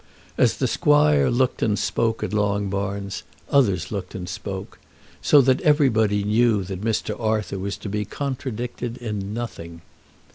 As the squire looked and spoke at Longbarns, others looked and spoke, so that everybody knew that Mr. Arthur was to be contradicted in nothing.